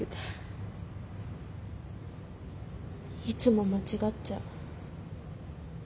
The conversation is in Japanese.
いつも間違っちゃう。